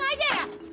lu sengaja ya